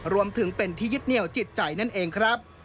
รวมถึงเป็นที่ยึดเหนียวจิตใจนั่นเองครับ